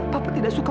papa tidak suka